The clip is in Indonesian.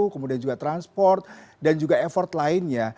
kemudian juga transport dan juga effort lainnya